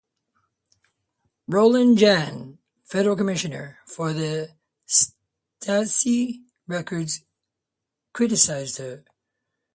Roland Jahn, Federal Commissioner for the Stasi Records criticised her.